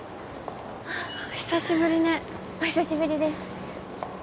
久しぶりねお久しぶりです